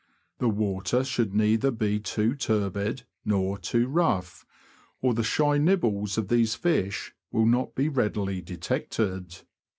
The water should neither be too turbid nor too rough, or the shy nibbles of these fish will not be readily detected.